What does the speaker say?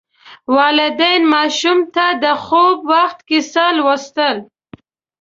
والدین ماشوم ته د خوب وخت کیسه لوستل.